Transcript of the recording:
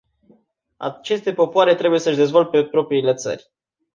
Aceste popoare trebuie să-și dezvolte propriile țări.